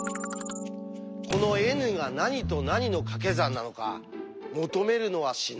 このＮが何と何のかけ算なのか求めるのは至難の業。